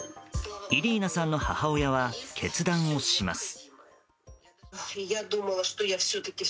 イリーナさんの母親は決断をします。